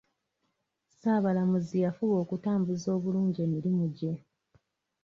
Ssaabalamuzi yafuba okutambuza obulungi emirimu gye